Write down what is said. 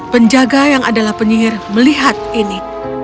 penjaga yang adalah penyihir melihat ini